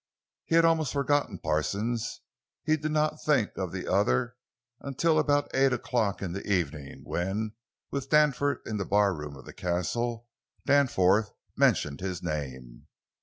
He had almost forgotten Parsons; he did not think of the other until about eight o'clock in the evening, when, with Danforth in the barroom of the Castle, Danforth mentioned his name.